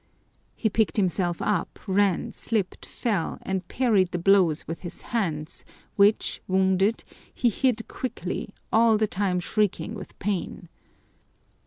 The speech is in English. He picked himself up, ran, slipped, fell, and parried the blows with his hands, which, wounded, he hid quickly, all the time shrieking with pain.